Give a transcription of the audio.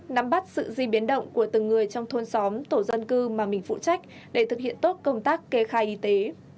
nắm bắt sự di biến động của từng người trong thôn xóm tổ dân cư mà mình phụ trách để thực hiện tốt công tác kê khai y tế